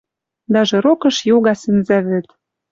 Даже рокыш йога сӹнзӓвӹд.